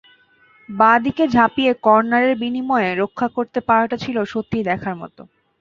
বাঁ দিকে ঝাঁপিয়ে কর্নারের বিনিময়ে রক্ষা করতে পারাটা ছিল সত্যিই দেখার মতো।